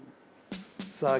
さあ